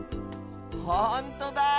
ほんとだ。